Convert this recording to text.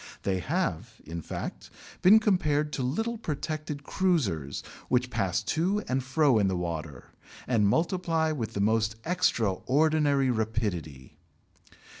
They have, in fact, been compared to little protected cruisers which pass to and fro in the water and multiply with the most extraordinary rapidity.